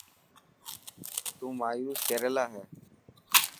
تو مايوس ڪيريريلا هي.